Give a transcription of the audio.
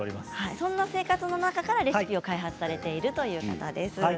そんな生活の中からレシピを開発されているという方です。